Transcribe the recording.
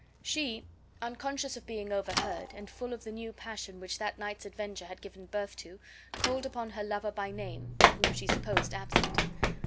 She, unconscious of being overheard, and full of the new passion which that night's adventure had given birth to, called upon her lover by name (whom she supposed absent).